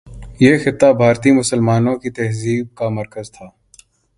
یہ خطہ بھارتی مسلمانوں کی تہذیب کا مرکز تھا۔